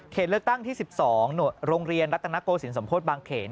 เลือกตั้งที่๑๒โรงเรียนรัฐนโกศิลสมโพธิบางเขน